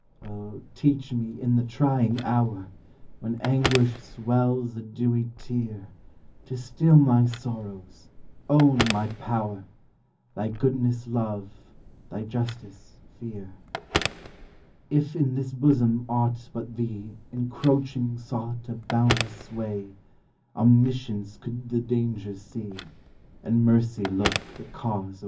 Oh, teach me in the trying hour, When anguish swells the dewy tear, To still my sorrows, own my power, Thy goodness love, thy justice fear. If in this bosom aught but thee Encroaching sought a boundless sway, Omniscience could the danger see, And Mercy look the cause away.